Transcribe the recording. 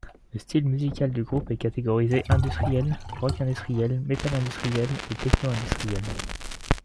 Le style musical du groupe est catégorisé industriel, rock industriel, metal industriel, et techno-industriel.